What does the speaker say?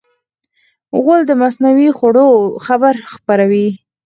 غول د مصنوعي خوړو خبر خپروي.